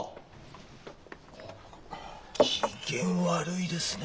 機嫌悪いですね。